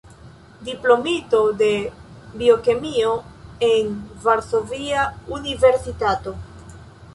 Diplomito de biokemio en Varsovia Universitato.